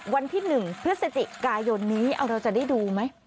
วันที่๑พฤศจิกายนนี้เราจะได้ดูไหม